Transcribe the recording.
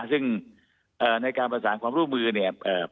ซึ่งในการประสานความร่วมมือเนี่ย